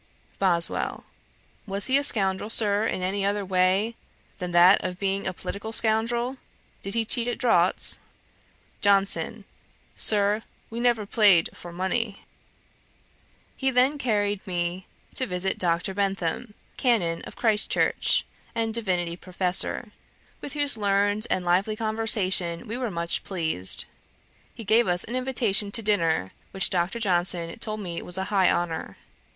BOSWELL. 'Was he a scoundrel, Sir, in any other way than that of being a political scoundrel? Did he cheat at draughts?' JOHNSON. 'Sir, we never played for money.' He then carried me to visit Dr. Bentham, Canon of Christ Church, and Divinity Professor, with whose learned and lively conversation we were much pleased. He gave us an invitation to dinner, which Dr. Johnson told me was a high honour.